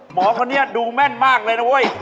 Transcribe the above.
หมอคนนี้ดูแม่นมากเลยนะเว้ย